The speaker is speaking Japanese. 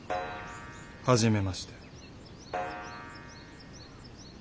初めまして。